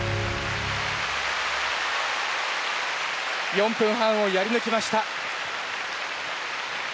４分半をやり抜きました。